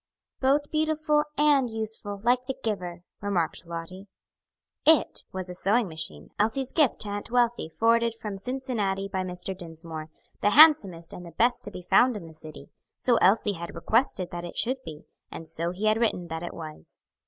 "Both beautiful and useful, like the giver," remarked Lottie. "It" was a sewing machine, Elsie's gift to Aunt Wealthy, forwarded from Cincinnati, by Mr. Dinsmore; the handsomest and the best to be found in the city; so Elsie had requested that it should be, and so he had written that it was.